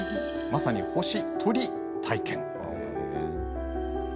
まさに、星撮り体験。